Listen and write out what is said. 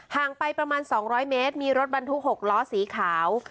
ห่างไปประมาณ๒๐๐เมตรมีรถบรรทุก๖ล้อสีขาว